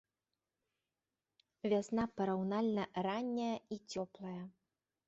Вясна ў параўнальна ранняя і цёплая.